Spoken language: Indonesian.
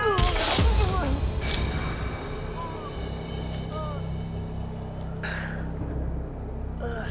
hai ada apa lagi